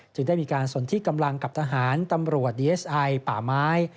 ได้มีการสนที่กำลังกับทหารตำรวจดีเอสไอป่าไม้